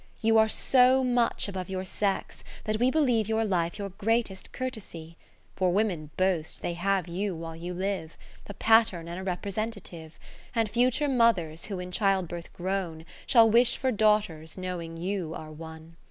You are so much above your sex, that we Believe your Life your greatest courtesy: 100 For women boast, they have you while you live. A pattern and a representative, And future mothers who in child birth groan, Shall wish for daughters, knowing you are one.